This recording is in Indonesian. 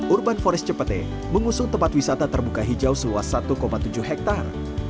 urban forest cepete mengusung tempat wisata terbuka hijau seluas satu tujuh hektare